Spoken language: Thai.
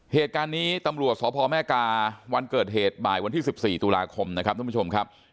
เหตุการณ์นี้ตำรวจสพแม่กาวันเกิดเหตุบ่ายวันที่๑๔ตุลาคมนะครับท่านผู้ชมครับ